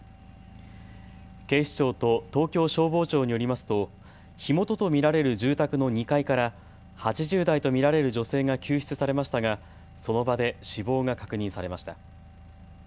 警視庁と東京消防庁によりますと火元と見られる住宅の２階から８０代と見られる女性が救出されましたがその場で死亡が確認されました。